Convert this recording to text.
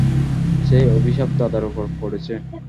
সেই অভিশাপ দাদার উপর পড়েছে।